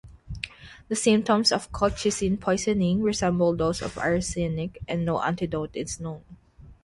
The symptoms of colchicine poisoning resemble those of arsenic, and no antidote is known.